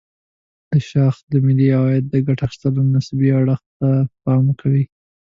دا شاخص د ملي عاید د ګټه اخيستلو نسبي اړخ ته پام کوي.